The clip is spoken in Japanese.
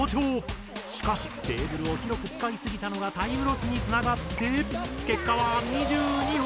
しかしテーブルを広く使いすぎたのがタイムロスにつながって結果は２２本。